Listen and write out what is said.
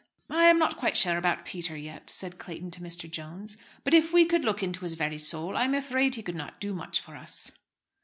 "I am not quite sure about Peter yet," said Clayton to Mr. Jones. "But if we could look into his very soul I am afraid he could not do much for us."